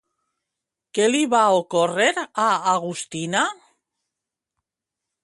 Què li va ocórrer a Agustina?